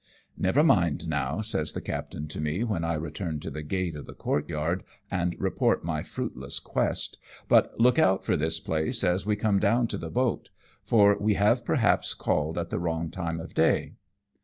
" Never mind now," says the captain to me when I return to the gate of the courtyard and report my fruitless quest, " but look out for this place as we come down to the boat^ for we have perhaps called at the wrong time of day."